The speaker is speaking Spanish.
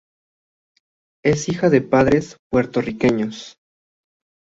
Es hija de padres puertorriqueños.